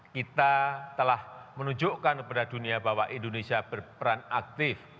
kita telah menunjukkan kepada dunia bahwa indonesia berperan aktif